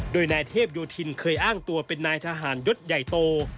โดยนายเทพโยธินเคยอ้างตัวเป็นนายทหารยศใหญ่โต